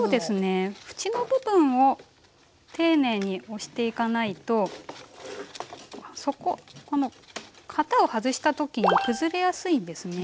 縁の部分を丁寧に押していかないとこの型を外したときに崩れやすいんですね。